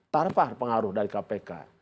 tarpah pengaruh dari kpk